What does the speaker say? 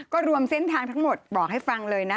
ก็รวมเส้นทางทั้งหมดบอกให้ฟังเลยนะ